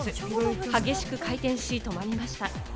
激しく回転し、止まりました。